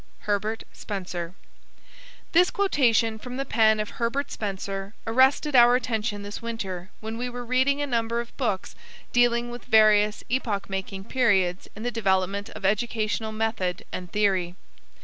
HERBERT SPENCER This quotation from the pen of Herbert Spencer arrested our attention this winter when we were reading a number of books dealing with various epoch making periods in the development of educational method and theory.